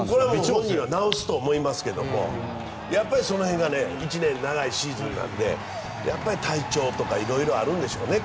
本人は直すと思いますけれどもやっぱりその辺が１年、長いシーズンなんでやっぱり体調とか色々あるんでしょうね。